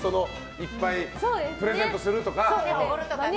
いっぱいプレゼントするとか。